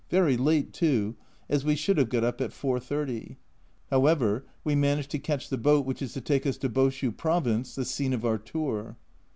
Very late too, as we should have got up at 4.30. However, we managed to catch the boat which is to take us to Boshu Province, the scene of our tour.